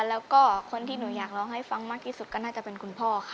แล้วก็คนที่หนูอยากร้องให้ฟังมากที่สุดก็น่าจะเป็นคุณพ่อค่ะ